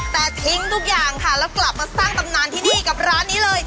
แต่ทิ้งทุกอย่างค่ะแล้วกลับมาสร้างตำนานที่นี่กับร้านนี้เลย